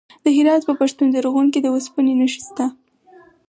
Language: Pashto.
د هرات په پښتون زرغون کې د وسپنې نښې شته.